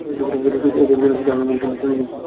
ওহ, ভেবেছিলাম শুধু আমিই ভুল সিদ্ধান্ত নিয়েছি।